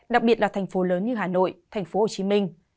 đặc biệt là thành phố lớn như hà nội thành phố hồ chí minh